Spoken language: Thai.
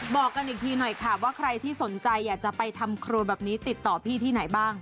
บอกกันอีกทีหน่อยค่ะว่าใครที่สนใจอยากจะไปทำครัวแบบนี้ติดต่อพี่ที่ไหนบ้าง